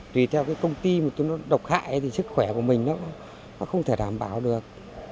tùy theo cái công ty mà tôi nó độc hại thì sức khỏe của mình nó không thể đảm bảo được